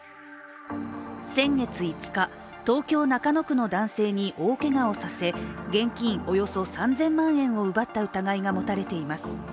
先月５日、東京・中野区の男性に大けがをさせ、現金およそ３０００万円を奪った疑いが持たれています。